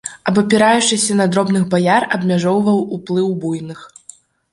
Абапіраючыся на дробных баяр, абмяжоўваў уплыў буйных.